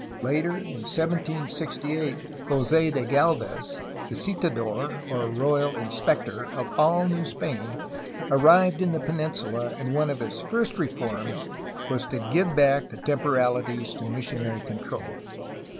Later in 1768 Jose de Galvez, visitador (or royal inspector) of all New Spain, arrived in the peninsula, and one of his first reforms was to give back the temporalities to missionary control.